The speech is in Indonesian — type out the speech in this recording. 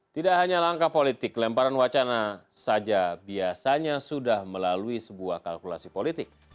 tidak hanya langkah politik lemparan wacana saja biasanya sudah melalui sebuah kalkulasi politik